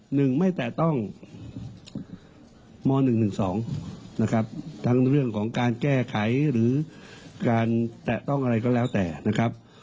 หนึ่งไม่แตะต้องมหนึ่งหนึ่งสองนะครับทั้งเรื่องของการแก้ไขหรือการแตะต้องอะไรก็แล้วแต่นะครับ